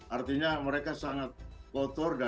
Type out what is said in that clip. artinya mereka sangat kotor